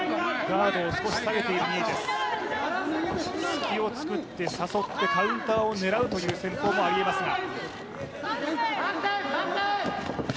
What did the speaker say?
隙を作って誘ってカウンターを狙うという戦法もありえますが。